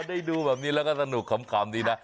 ได้ดูแบบนี้แล้วก็สนุกขำดีนะ